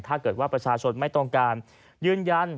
ถ้าเกิดว่าประชาชนไม่ต้องการยืนยัน